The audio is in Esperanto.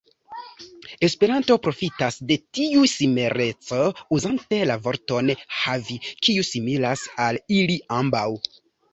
Esperanto profitas de tiu simileco uzante la vorton "havi", kiu similas al ili ambaŭ.